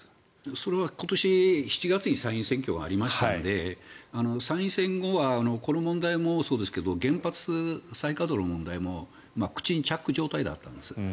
それは今年７月に参議院選挙がありましたので参院選後はこの問題もそうですけど原発再稼働の問題も口にチャック状態だったんです。